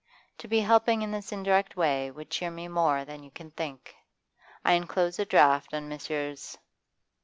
To be helping in this indirect way would cheer me more than you can think. I enclose a draft on Messrs.